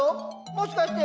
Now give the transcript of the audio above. もしかして。